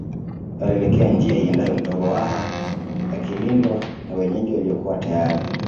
Alielekea njia iendayo mto Ruaha akilindwa na wenyeji waliokuwa tayari